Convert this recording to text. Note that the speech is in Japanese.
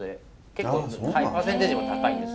結構パーセンテージも高いんです。